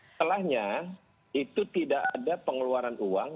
setelahnya itu tidak ada pengeluaran uang